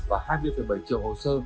và hai mươi bảy triệu hồ sơ